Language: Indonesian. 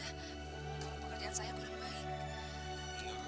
kalau pekerjaan saya kurang baik